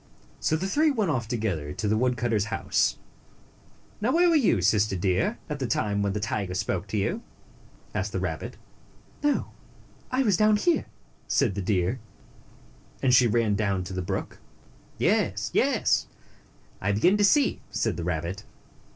So the three went off together to the wood cutter's house. " Now, where were you, Sister Deer, at the time when the tiger spoke to you?" asked the rabbit. "Oh, I was down here," said the deer, and she ran down to the brook. "Yes, yes! I begin to see," said the rabbit.